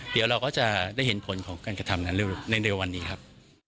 เดี๋ยวเราก็จะได้เห็นผลของการกระทำนั้นในเร็ววันนี้ครับ